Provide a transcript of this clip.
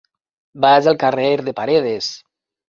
Vaig al carrer de Paredes.